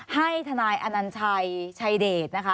ให้ทนายอนัญชัยชัยเดชนะคะ